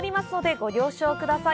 ご了承ください。